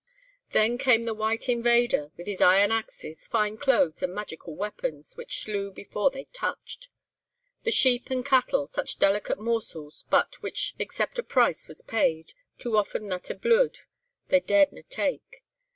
Then came the white invader, with his iron axes, fine clothes and magical weapons, which slew before they touched. The sheep and cattle, such delicate morsels but which except a price was paid, too often that o' bluid—they dared na' take.